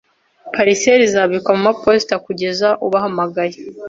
Parcelle izabikwa kumaposita kugeza ubahamagaye.